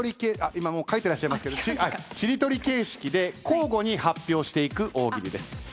今書いてらっしゃいますけどしりとり形式で交互に発表していく大喜利です。